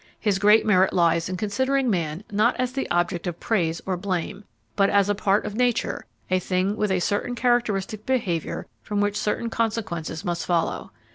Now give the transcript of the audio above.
His great merit lies in considering man not as the object of praise or blame, but as a part of nature, a thing with a certain characteristic behaviour from which certain consequences must follow.